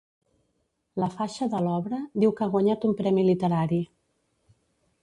La faixa de l'obra diu que ha guanyat un premi literari.